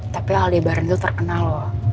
tapi aldebaran tuh terkenal loh